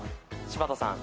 柴田さん。